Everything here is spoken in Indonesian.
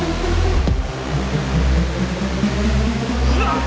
untuk ke dekat